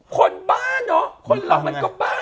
คนบ้าคนเหล่ามันก็บ้า